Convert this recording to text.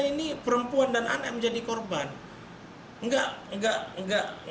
ini perempuan dan anak menjadi korban